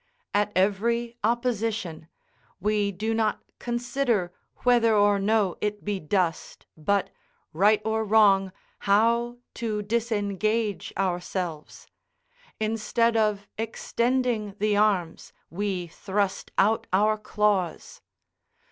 At every opposition, we do not consider whether or no it be dust, but, right or wrong, how to disengage ourselves: instead of extending the arms, we thrust out our claws.